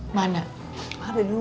mama aku mau ketemu sama kamu tuh